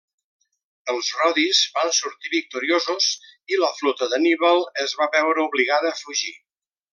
Els rodis van sortir victoriosos, i la flota d'Anníbal es va veure obligada a fugir.